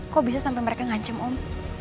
kok bisa sampai mereka ngancem om